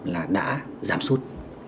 là đã giảm sốt